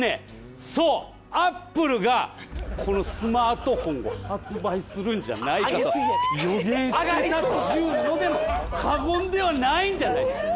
そうアップルがこのスマートフォンを発売するんじゃないかと予言してたというのでも過言ではないんじゃないでしょうか。